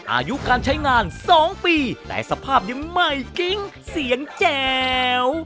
อายุการใช้งาน๒ปีแต่สภาพนี้ใหม่กิ๊งเสียงแจ๋ว